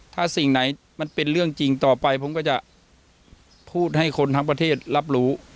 ถ้าสิ่งไหนมันเป็นเรื่องจริงต่อไปผมก็จะพูดให้คนทั้งประเทศรับรู้